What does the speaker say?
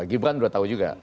gibran sudah tahu juga